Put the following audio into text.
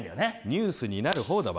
ニュースになる方だ。